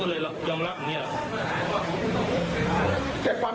เราเขียนคลิปแล้วเราปฏิเสธตั้งแต่ต้มเลยหรือว่า